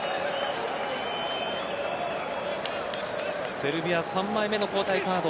セルビア、３枚目の交代カード。